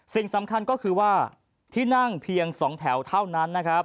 สิ่งสำคัญก็คือว่าที่นั่งเพียง๒แถวเท่านั้นนะครับ